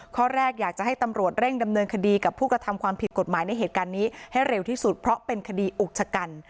ข้อแรกอยากจะให้ตำรวจเร่งดำเนินคดีกับผู้กระทำความผิดกฎหมายในเหตุการณ์นี้ให้เร็วที่สุดเพราะเป็นคดีอุกชะกัน